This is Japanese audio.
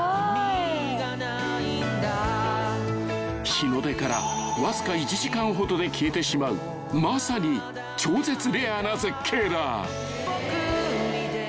［日の出からわずか１時間ほどで消えてしまうまさに超絶レアな絶景だ］